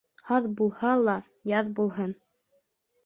Һаҙ булһа ла яҙ булһын.